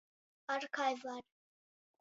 Ar, kai var!